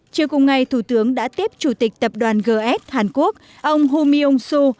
chiều cùng ngày thủ tướng đã tiếp chủ tịch tập đoàn gs hàn quốc ông hong myung su